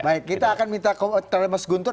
baik kita akan minta terima seguntur